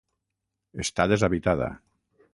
Està deshabitada.